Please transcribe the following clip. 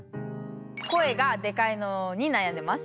声がデカいのに悩んでます。